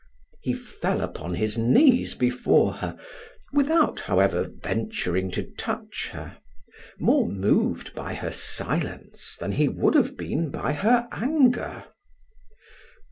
He fell upon his knees before her, without, however, venturing to touch her, more moved by her silence than he would have been by her anger.